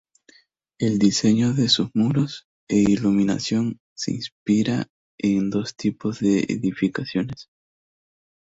El diseño de sus muros e iluminación, se inspira en dos tipos de edificaciones.